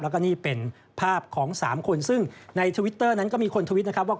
แล้วก็นี่เป็นภาพของ๓คนซึ่งในทวิตเตอร์นั้นก็มีคนทวิตนะครับว่า